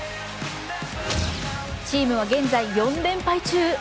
チームは現在４連敗中。